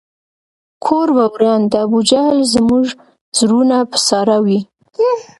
کور به وران د ابوجهل زموږ زړونه په ساړه وي